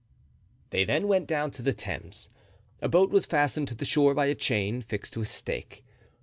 They then went down to the Thames. A boat was fastened to the shore by a chain fixed to a stake.